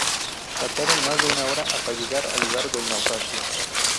Tardaron más de una hora hasta llegar al lugar del naufragio.